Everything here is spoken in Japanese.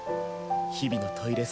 日々のトイレ